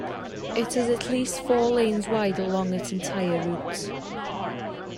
It is at least four lanes wide along its entire route.